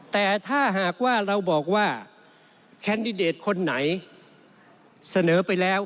แต่ถ้าหากว่าเราบอกว่าแคนดิเดตคนไหนเสนอไปแล้ว